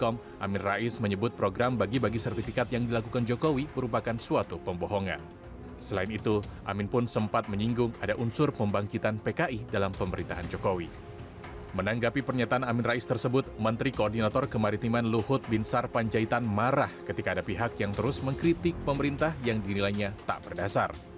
menurut kemaritiman lutbinsar panjaitan marah ketika ada pihak yang terus mengkritik pemerintah yang dinilainya tak berdasar